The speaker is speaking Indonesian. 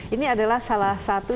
ini adalah salah satu